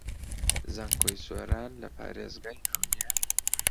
زانکۆی سۆران لە پارێزگای هەولێر